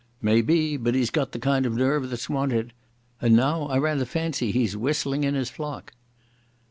"Maybe, but he's got the kind of nerve that's wanted. And now I rather fancy he's whistling in his flock."